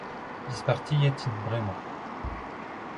dispartiet int bremañ.